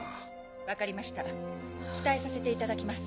分かりました伝えさせていただきます。